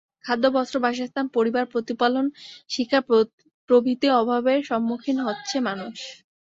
খাদ্য, বস্ত্র, বাসস্থান, পরিবার প্রতিপালন, শিক্ষা প্রভৃতি অভাবের সম্মুখীন হচ্ছে মানুষ।